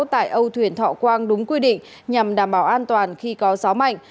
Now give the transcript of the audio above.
tại âu thuyền thọ quang đúng quy định nhằm đảm bảo an toàn khi có gió mạnh